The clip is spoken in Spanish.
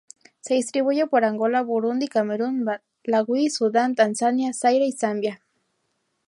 Se distribuye por Angola, Burundi, Camerún, Malawi, Sudán, Tanzania, Zaire, Zambia.